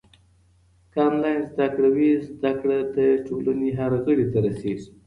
که انلاین زده کړه وي، زده کړه د ټولنې هر غړي ته رسېږي.